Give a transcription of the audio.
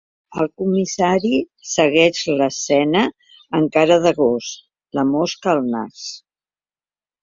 El comissari segueix l'escena amb cara de gos, la mosca al nas.